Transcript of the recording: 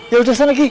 yaudah sana g